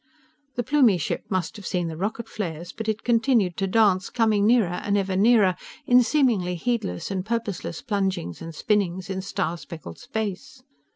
The Plumie ship must have seen the rocket flares, but it continued to dance, coming nearer and ever nearer in seemingly heedless and purposeless plungings and spinnings in star speckled space.